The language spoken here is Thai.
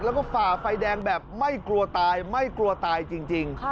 แล้วก็ฝ่าไฟแดงแบบไม่กลัวตายไม่กลัวตายจริง